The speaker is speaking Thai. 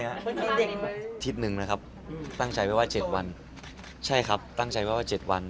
อาทิตย์หนึ่งนะครับตั้งใจว่า๗วันใช่ครับตั้งใจว่า๗วัน